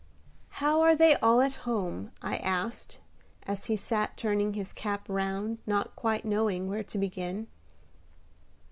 "How are they all at home?" I asked, as he sat turning his cap round, not quite knowing where to begin.